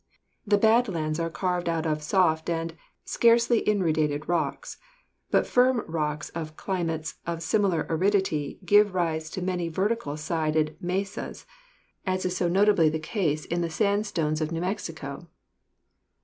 The bad lands are carved out of soft and scarcely in durated rocks, but firm rocks in climates of similar aridity give rise to many vertical sided mesas, as is so notably the 184 GEOLOGY case in the sandstones of New Mexico.